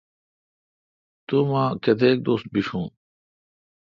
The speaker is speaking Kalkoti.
تو امں کیتک دوس بشون۔